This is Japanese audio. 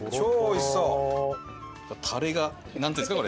タレがなんていうんですか？